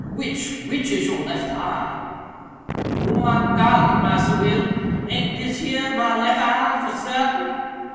—which—which is your left eye?" "Oh, my golly, Massa Will! aint dis here my lef eye for sartain?"